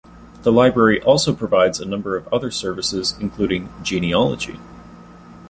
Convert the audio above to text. The library also provides a number of other services including genealogy.